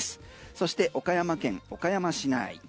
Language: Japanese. そして岡山県岡山市内。